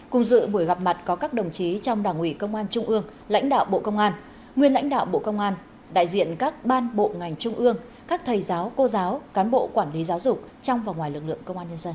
cùng dự buổi gặp mặt có các đồng chí trong đảng ủy công an trung ương lãnh đạo bộ công an nguyên lãnh đạo bộ công an đại diện các ban bộ ngành trung ương các thầy giáo cô giáo cán bộ quản lý giáo dục trong và ngoài lực lượng công an nhân dân